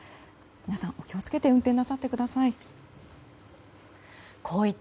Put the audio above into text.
皆さんお気をつけて運転なさってください。